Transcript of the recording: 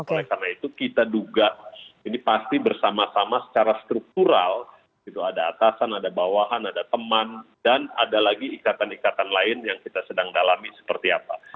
oleh karena itu kita duga ini pasti bersama sama secara struktural ada atasan ada bawahan ada teman dan ada lagi ikatan ikatan lain yang kita sedang dalami seperti apa